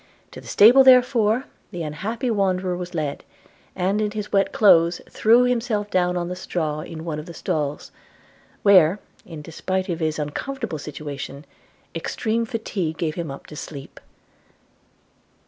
To the stable, therefore, the unhappy wanderer was led, and in his wet cloaths threw himself down on the straw in one of the stalls; where, in despite of his uncomfortable situation, extreme fatigue gave him up to sleep.